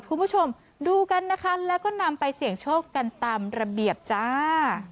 คุณผู้ชมดูกันนะคะแล้วก็นำไปเสี่ยงโชคกันตามระเบียบจ้า